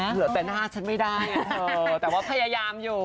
เหลือแต่หน้าฉันไม่ได้แต่ว่าพยายามอยู่